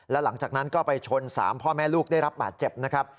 แล้วหลังจากนั้นก็ไปชน๓พ่อแม่ลูกได้รับบาดเจ็บนะครับ